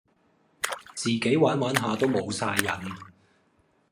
自己玩玩下都無哂癮